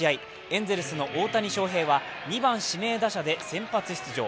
エンゼルスの大谷翔平は２番・指名打者で先発出場。